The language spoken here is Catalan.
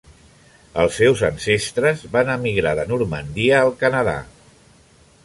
Els seus ancestres van emigrar de Normandia al Canadà.